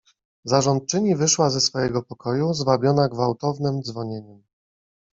"Zarządczyni wyszła ze swojego pokoju, zwabiona gwałtownem dzwonieniem."